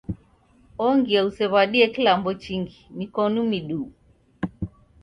Ongia usew'adie kilambo chingi, mikonu miduu.